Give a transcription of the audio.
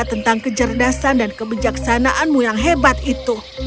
tentang kecerdasan dan kebijaksanaanmu yang hebat itu